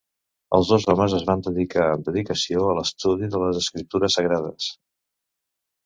Els dos homes es van dedicar amb dedicació a l'estudi de les escriptures sagrades.